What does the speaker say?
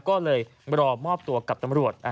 ก็เลยรอมอบตัวกับตำรวจ